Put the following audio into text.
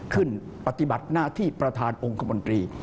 ปฏิบัติหน้าที่ประธานองค์คมนตรี